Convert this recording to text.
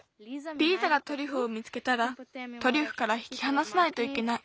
リーザがトリュフを見つけたらトリュフからひきはなさないといけない。